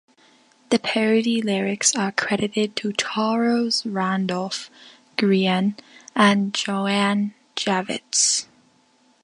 The parody lyrics are credited to Charles Randolph Grean and Joan Javits.